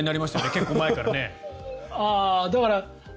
結構前からね。